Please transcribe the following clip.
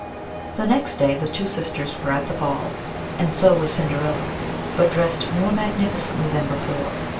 The next day the two sisters were at the ball, and so was Cinderilla, but dressed more magnificently than before.